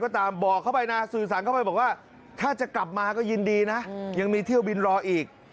ตอนนี้จะมีที่เที่ยวบิลรออีก